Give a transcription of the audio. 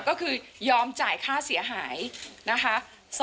ก็คือยอมจ่ายค่าเสียหายนะคะ